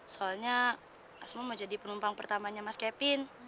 soalnya asmo mau jadi penumpang pertamanya mas kevin